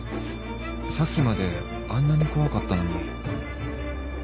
さっきまであんなに怖かったのに